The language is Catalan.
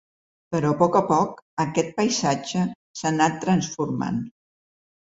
Però, a poc a poc, aquest paisatge s’ha anat transformant.